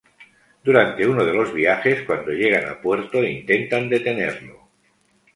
Durante uno de los viajes, cuando llegan a puerto, intentan detenerlo.